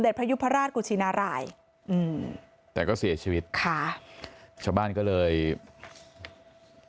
พระยุพราชกุชินารายอืมแต่ก็เสียชีวิตค่ะชาวบ้านก็เลย